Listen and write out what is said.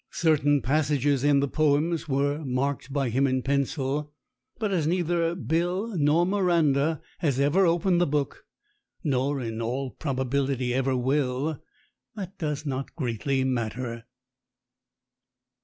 Certain passages in the poems were marked by him in pencil; but as neither Bill nor Miranda has ever opened the book, nor in all prob ability ever will, that does not greatly matter.